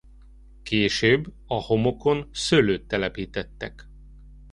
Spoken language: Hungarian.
Később a homokon szőlőt telepítettek.